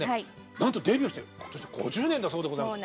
なんとデビューして今年で５０年だそうでございます。